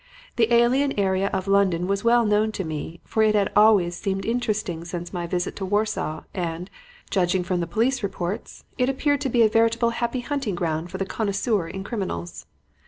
The alien area of London was well known to me, for it had always seemed interesting since my visit to Warsaw, and, judging from the police reports, it appeared to be a veritable happy hunting ground for the connoisseur in criminals.